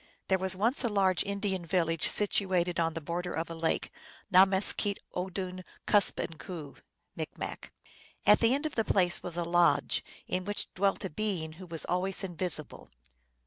THERE was once a large Indian village situated on the border of a lake, Nameskeett oodun Kuspemku (M.). At the end of the place was a lodge, in which dwelt a being who was always invisible.